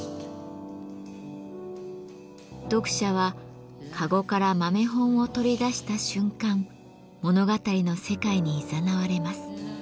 読者は籠から豆本を取り出した瞬間物語の世界にいざなわれます。